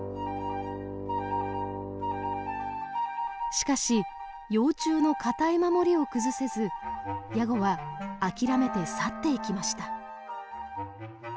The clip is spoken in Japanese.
しかし幼虫の堅い守りを崩せずヤゴは諦めて去っていきました。